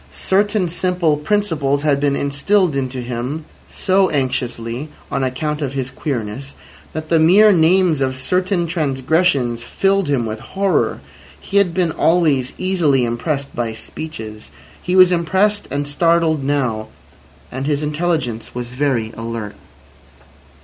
Certain simple principles had been instilled into him so anxiously (on account of his "queerness") that the mere names of certain transgressions filled him with horror. He had been always easily impressed by speeches. He was impressed and startled now, and his intelligence was very alert.